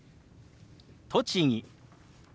「栃木」。